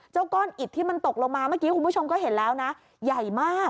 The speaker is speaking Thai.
ก้อนอิดที่มันตกลงมาเมื่อกี้คุณผู้ชมก็เห็นแล้วนะใหญ่มาก